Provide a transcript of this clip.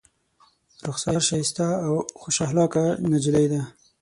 رخسار ښایسته او خوش اخلاقه نجلۍ ده.